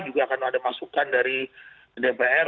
juga akan ada masukan dari dpr